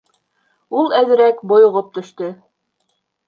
Ул әҙерәк бойоғоп төштө.